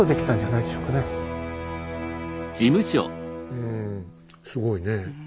うんすごいねえ。